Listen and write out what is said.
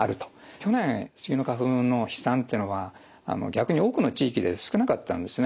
去年スギの花粉の飛散というのは逆に多くの地域で少なかったんですね。